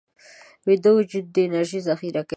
ویده وجود انرژي ذخیره کوي